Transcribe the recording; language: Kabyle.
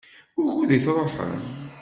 Wukud i tṛuḥem?